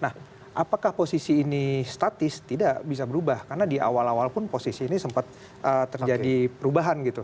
nah apakah posisi ini statis tidak bisa berubah karena di awal awal pun posisi ini sempat terjadi perubahan gitu